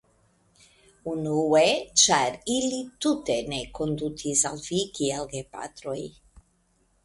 Unue, ĉar ili tute ne kondutis al vi kiel gepatroj.